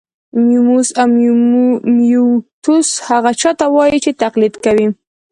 میموس او میموتوس هغه چا ته وايي چې تقلید کوي